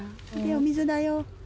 お水だよ。